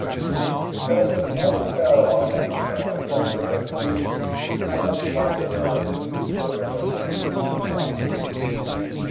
The curtain never fell on that eternal dress rehearsal. I don't wonder the husband was forever looking at his watch.